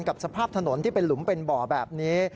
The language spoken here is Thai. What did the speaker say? กับสภาพถนนที่เป็นหลุมเป็นบ่อแบบนี้